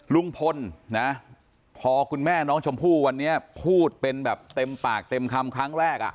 ลุงพลนะพอคุณแม่น้องชมพู่วันนี้พูดเป็นแบบเต็มปากเต็มคำครั้งแรก